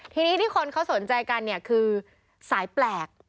ทีนี้ที่คนเขาสนใจกันเนี่ยคือสายแปลก